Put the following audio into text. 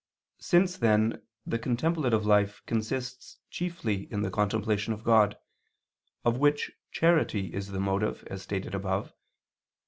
Since, then, the contemplative life consists chiefly in the contemplation of God, of which charity is the motive, as stated above (AA.